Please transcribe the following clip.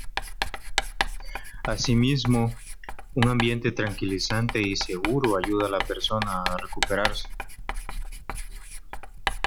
Asimismo, un ambiente tranquilizante y seguro ayuda a la persona a recuperarse.